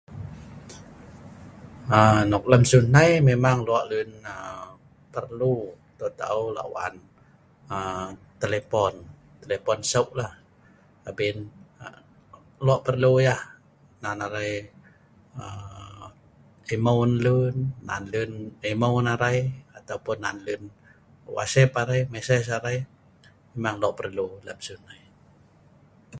aa nok lem siu nei memang lok lun aa perlu taeu taeu lak wan aa telepon telepon seu' la abin aa lok perlu yeh ngan arai aa emau ngan lun nan lun emau ngan arai ataupun nan lun whatsapp arai mesej arai memang lok perlu lem siu nei